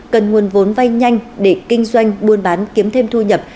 cần nguồn vốn vay nhanh để kinh doanh buôn bán kiếm thêm thu nhập